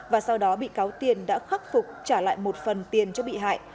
và sau đó bị cáo tiền đã khắc phục trả lại một phần tiền cho bị hại